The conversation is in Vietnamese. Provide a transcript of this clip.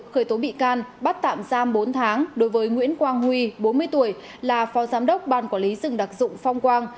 khởi tố bị can bắt tạm giam bốn tháng đối với nguyễn quang huy bốn mươi tuổi là phó giám đốc ban quản lý rừng đặc dụng phong quang